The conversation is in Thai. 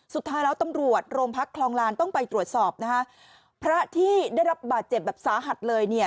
สุดท้ายแล้วตำรวจโรงพักคลองลานต้องไปตรวจสอบนะคะพระที่ได้รับบาดเจ็บแบบสาหัสเลยเนี่ย